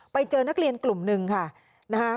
ไปเจอนักเรียนกลุ่มหนึ่งค่ะนะคะ